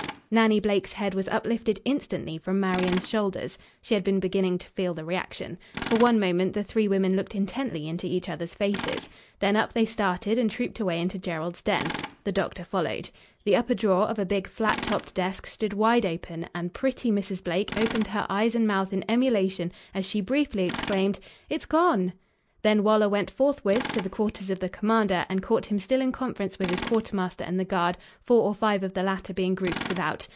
Nannie Blake's head was uplifted instantly from Marion's shoulder. She had been beginning to feel the reaction. For one moment the three women looked intently into each other's faces. Then up they started and trooped away into Gerald's den. The doctor followed. The upper drawer of a big, flat topped desk stood wide open, and pretty Mrs. Blake opened her eyes and mouth in emulation as she briefly exclaimed "It's gone!" Then Waller went forthwith to the quarters of the commander and caught him still in conference with his quartermaster and the guard, four or five of the latter being grouped without.